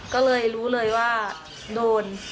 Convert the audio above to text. ก็เลยรู้เลยว่าโดน